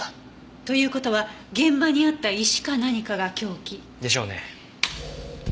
という事は現場にあった石か何かが凶器。でしょうね。